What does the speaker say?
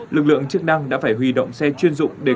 lực lượng chức năng đã phải huy động xe chuyên sử dụng rượu bia